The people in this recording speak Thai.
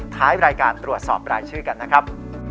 ท้ายรายการตรวจสอบรายชื่อกันนะครับ